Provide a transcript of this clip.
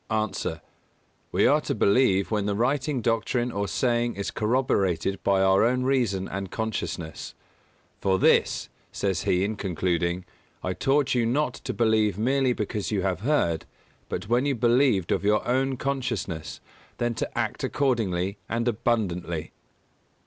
_ A. We are to believe when the writing doctrine or saying is corroborated by our own reason and consciousness. "For this," says he in concluding, "I taught you not to believe merely because you have heard, but when you believed of your own consciousness, then to act accordingly and abundantly."